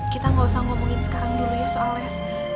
kita gak usah ngomongin sekarang dulu ya soal les